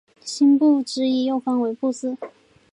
辛部只以右方为部字。